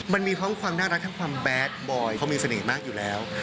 มันมีทั้งความน่ารักทั้งความแดดบอยเขามีเสน่ห์มากอยู่แล้ว